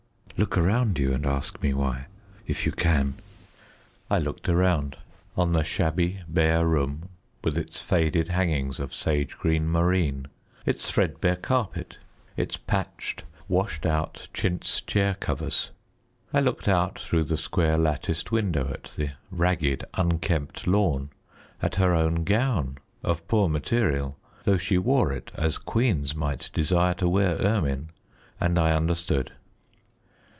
"Look around you and ask me why, if you can." I looked around on the shabby, bare room, with its faded hangings of sage green moreen, its threadbare carpet, its patched, washed out chintz chair covers. I looked out through the square, latticed window at the ragged, unkempt lawn, at her own gown of poor material, though she wore it as queens might desire to wear ermine and I understood.